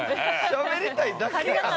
しゃべりたいだけやん。